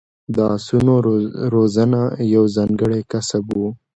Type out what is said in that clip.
د اسونو روزنه یو ځانګړی کسب و